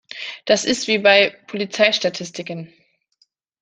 Das ist wie bei Polizeistatistiken.